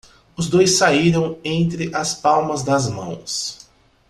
Os dois saíram entre as palmas das mãos.